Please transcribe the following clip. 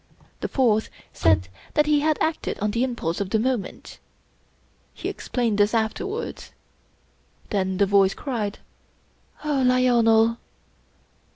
The fourth said that he had acted on the impulse of the moment. He explained this afterwards. Then the voice cried :" Oh Lionel